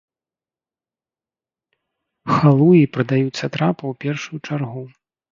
Халуі прадаюць сатрапа ў першую чаргу.